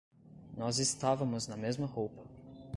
Nós estávamos na mesma roupa.